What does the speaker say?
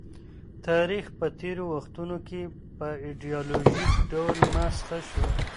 تاریخ په تېرو وختونو کي په ایډیالوژیک ډول مسخ سو.